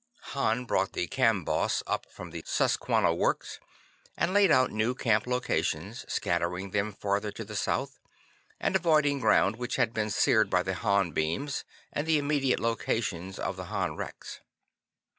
Hart brought the Camboss up from the Susquanna Works, and laid out new camp locations, scattering them farther to the south, and avoiding ground which had been seared by the Han beams and the immediate locations of the Han wrecks.